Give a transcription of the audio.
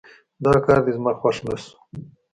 دا کار دې زما خوښ نه شو